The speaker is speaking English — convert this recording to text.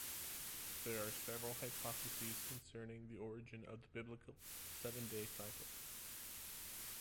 There are several hypotheses concerning the origin of the biblical seven-day cycle.